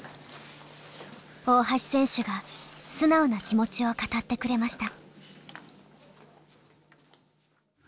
大橋選手が素直な気持ちを語ってくれました。